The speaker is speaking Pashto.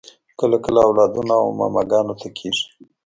کله کله اولادونه و ماماګانو ته کیږي